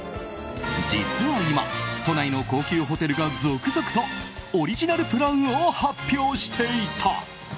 実は今都内の高級ホテルが続々とオリジナルプランを発表していた。